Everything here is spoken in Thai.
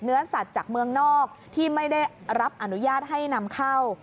เนื้อสัตว์จากเมืองนอกที่ไม่ได้รับอนุญาตให้นำเข้า